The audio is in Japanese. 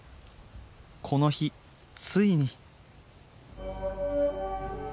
この日ついに！